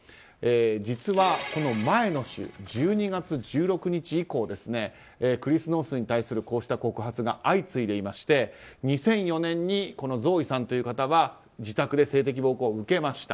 実は、この前の週１２月１６日以降クリス・ノースに対するこうした告発が相次いでいまして２００４年にゾーイさんは自宅で性的暴行を受けました。